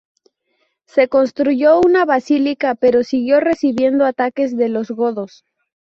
Se construyó una Basílica pero siguió recibiendo ataques de los godos.